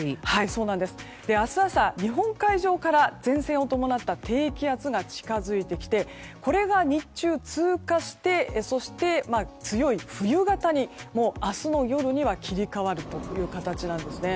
明日朝、日本海上から前線を伴った低気圧が近づいてきてこれが日中、通過してそして強い冬型に明日の夜には切り替わるという形になりそうです。